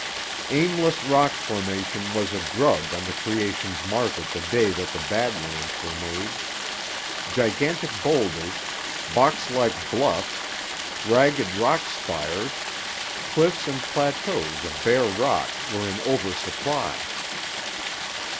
Aimless rock formation was a drug on the creation's market the day that the Bad Lands were made. Gigantic boulders, box like bluffs, ragged rock spires, cliffs and plateaus of bare rock were in oversupply.